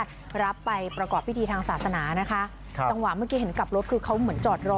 จังหวะเมื่อกี้เห็นกลับรถคือเขาเหมือนจอดรอ